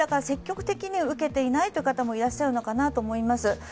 積極的に受けていない方もいらっしゃるのかなと思います。